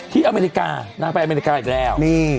ที่อเมริกาน่าไปอเมริกาออกแล้ว